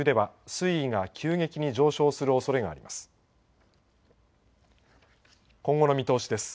水位が急激に上昇するおそれがあります。